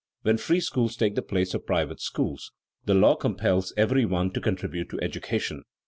When free schools take the place of private schools, the law compels every one to contribute to education.